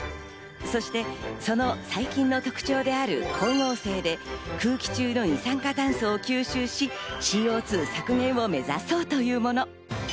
そして、その細菌の特徴である光合成で空気中の二酸化炭素を吸収し、ＣＯ２削減を目指そうというもの。